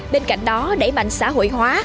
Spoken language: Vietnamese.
bên cạnh đó đẩy mạnh xã hội hóa